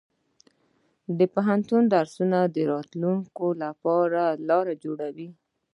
د پوهنتون درسونه د راتلونکي لپاره لار جوړوي.